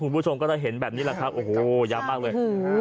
คุณผู้ชมก็จะเห็นแบบนี้แหละครับโอ้โหยาวมากเลย